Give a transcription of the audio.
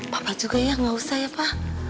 papa juga ya gak usah ya pa